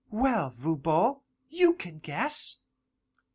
Well, Voban, you can guess!